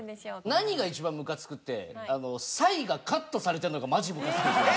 何が一番むかつくってサイがカットされてるのがマジむかつくんですよ。